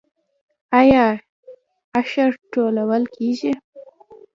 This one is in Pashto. آیا عشر ټولول کیږي؟